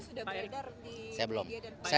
karena sudah beredar di media dan pemerintah